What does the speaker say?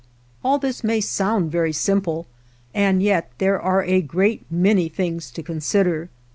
All this may sound very simple and yet there are a great many things to consider.